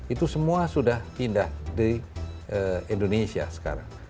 itu semua sudah pindah di indonesia sekarang